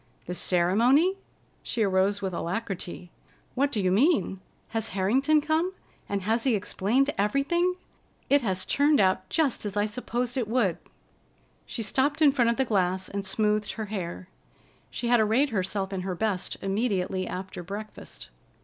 "The ceremony?" She arose with alacrity. "What do you mean? Has Harrington come, and has he explained everything? It has turned out just as I supposed it would." She stopped in front of the glass and smoothed her hair. She had arrayed herself in her best immediately after breakfast.